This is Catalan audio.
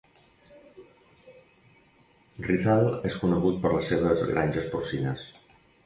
Rizal és conegut per les seves granges porcines.